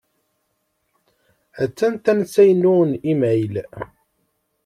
Attan tansa-inu n imayl.